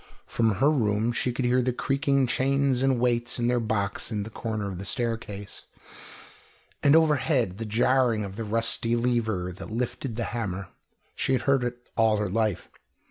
From her room she could hear the creaking chains and weights in their box in the corner of the staircase, and overhead the jarring of the rusty lever that lifted the hammer. She had heard it all her life.